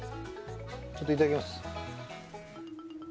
ちょっといただきます！